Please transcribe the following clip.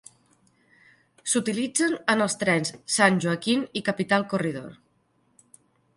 S'utilitzen en els trens "San Joaquin" i "Capital Corridor".